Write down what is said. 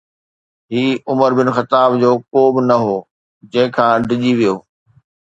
هي عمر بن خطاب جو ڪوب نه هو جنهن کان ڊڄي ويو.